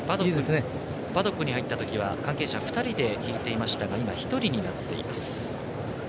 パドックに入ったときは関係者２人で引いていましたが今、１人になっています。